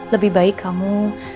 lebih baik kamu